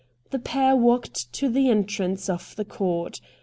The pair walked to the entrance of the court.